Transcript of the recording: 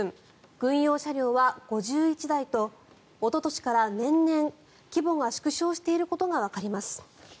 軍用車両は５１台とおととしから年々規模が縮小していることがわかります。